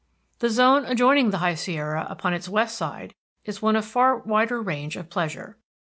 The zone adjoining the High Sierra upon its west is one of far wider range of pleasure.